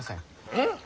うん？